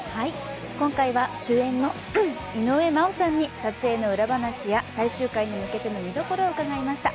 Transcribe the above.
今回は主演の井上真央さんに撮影の裏話や最終回に向けての見どころを伺いました。